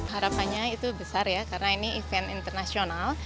harapannya itu besar ya karena ini event internasional